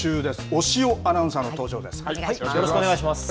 押尾アナウンサーの登場です。